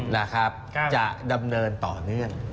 นะครับจะดำเนินต่อเนื่อง